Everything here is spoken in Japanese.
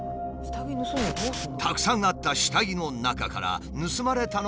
たくさんあった下着の中から盗まれたのは僅か数枚。